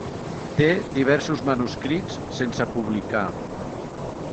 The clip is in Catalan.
Té diversos manuscrits sense publicar.